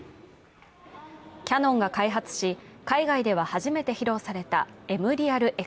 キヤノンが開発し、海外では初めて披露されたＭＲＥＡＬＸ１。